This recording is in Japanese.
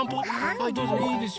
はいどうぞいいですよ。